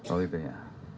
oh gitu ya